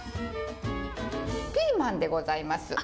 ピーマンでございます。